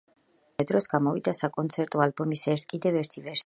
ამავე დროს გამოვიდა საკონცერტო ალბომის კიდევ ერთი ვერსია.